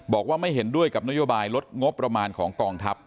บอกว่าไม่เห็นด้วยกับนโยบายลดงบประมาณของกองทัพ